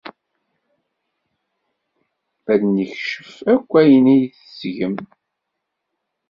Ad d-nekcef akk ayen ay tettgem.